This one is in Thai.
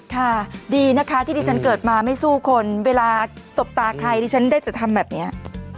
ค่ะดีนะคะที่ดิฉันเกิดมาไม่สู้คนเวลาสบตาใครดิฉันได้จะทำแบบนี้